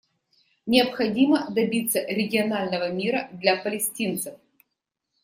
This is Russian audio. Необходимо добиться регионального мира для палестинцев.